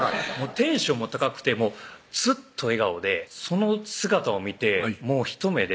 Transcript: テンションも高くてずっと笑顔でその姿を見てもうひと目で大好きやな